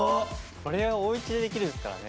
これをおうちでできるんですからね。